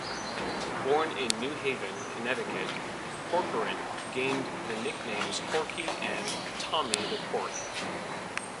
Born in New Haven, Connecticut, Corcoran gained the nicknames Corky and Tommy the Cork.